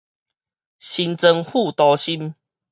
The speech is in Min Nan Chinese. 新莊副都心